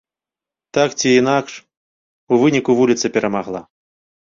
Так ці інакш, у выніку вуліца перамагла.